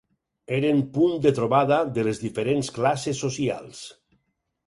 Eren punt de trobada de les diferents classes socials.